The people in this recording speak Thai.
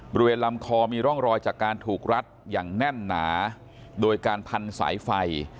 บริเวณลำคอมีร่องรอยจากการถูกรัดอย่างแน่นหนาโดยการพันสายไฟ